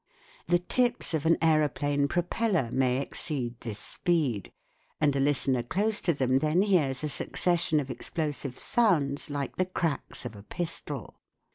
The tips of an aeroplane propeller may exceed this speed, and a listener close to them then hears a succession of explosive sounds like the cracks of a pistol.